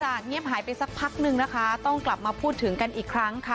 เงียบหายไปสักพักนึงนะคะต้องกลับมาพูดถึงกันอีกครั้งค่ะ